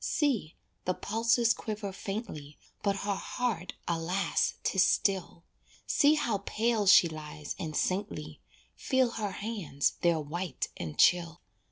See, the pulses quiver faintly, But her heart, alas! 'tis still; See how pale she lies and saintly, Feel her hands, they're white and chill.